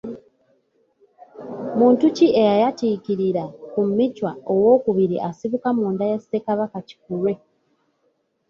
Muntu ki eyayatiikirira ku Michwa II asibuka mu nda ya Ssekabaka Kikulwe?